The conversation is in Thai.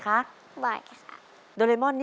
ตัวเลือกที่สอง๘คน